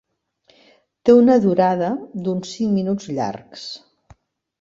Té una durada d'uns cinc minuts llargs.